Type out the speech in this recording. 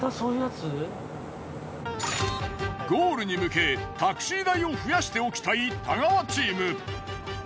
ゴールに向けタクシー代を増やしておきたい太川チーム。